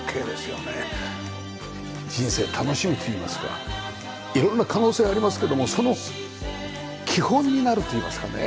人生楽しむっていいますか色んな可能性ありますけどもその基本になるといいますかね